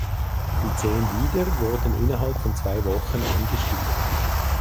Die zehn Lieder wurden innerhalb von zwei Wochen eingespielt.